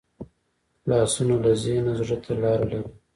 لاسونه له ذهن نه زړه ته لاره لري